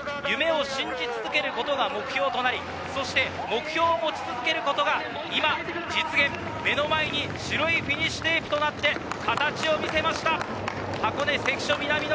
夢を信じ続けることが目標となり、そして目標を持ち続けることが今、目の前に実現、白いフィニッシュテープとなって形を見せました。